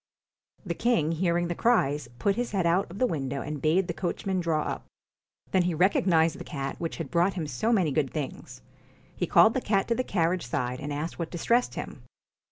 The king hearing the cries, put his head out of PUSS IN the window and bade the coachman draw up. BOOTS Then he recognised the cat which had brought him so many good things. He called the cat to the carriage side and asked what distressed him.